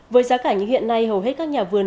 với giá cảnh hiện nay hầu hết các nhà vườn